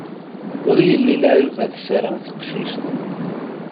Ur yelli lɛib ma tessarem teqcict.